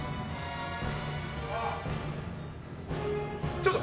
ちょっと！